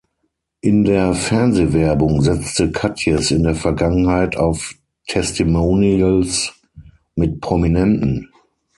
In der Fernsehwerbung setzte Katjes in der Vergangenheit auf Testimonials mit Prominenten.